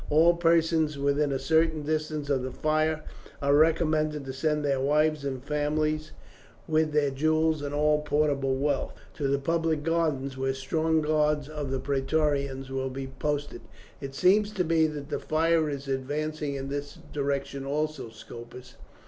All persons within a certain distance of the fire are recommended to send their wives and families, with their jewels and all portable wealth, to the public gardens, where strong guards of the Praetorians will be posted." "It seems to me that the fire is advancing in this direction, also, Scopus."